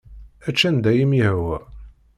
Ečč anda ay am-yehwa.